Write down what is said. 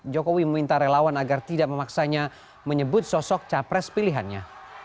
jokowi meminta relawan agar tidak memaksanya menyebut sosok capres pilihannya